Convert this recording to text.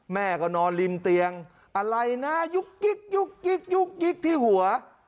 แม่ก็นอนริมเตียงอะไรนะยุกที่หัว